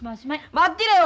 待ってらよ。